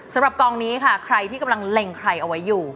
สำหรับกองนี้ค่ะใครที่กำลังเล็งใครเอาไว้อยู่